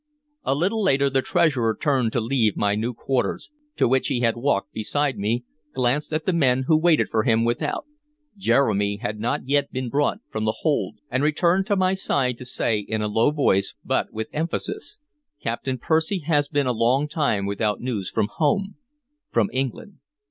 A little later the Treasurer turned to leave my new quarters, to which he had walked beside me, glanced at the men who waited for him without, Jeremy had not yet been brought from the hold, and returned to my side to say, in a low voice, but with emphasis: "Captain Percy has been a long time without news from home, from England.